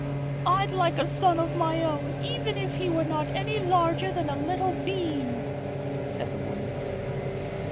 "I'd like a son of my own even if he were not any larger than a little bean," said the woman.